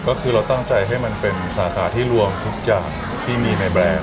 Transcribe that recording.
ก็คือเราตั้งใจให้มันเป็นสาขาที่รวมทุกอย่างที่มีในแบรนด์